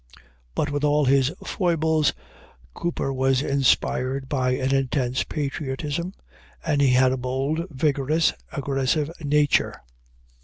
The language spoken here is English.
But, with all his foibles, Cooper was inspired by an intense patriotism, and he had a bold, vigorous, aggressive nature.